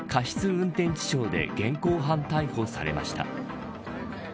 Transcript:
運転致傷で現行犯逮捕されました。